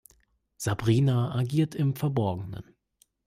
Sabrina agiert im Verborgenen.